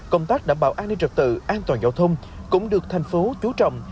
công tác đảm bảo an ninh trật tự an toàn giao thông cũng được thành phố chú trọng